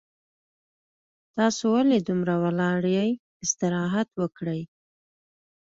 تاسو ولې دومره ولاړ یي استراحت وکړئ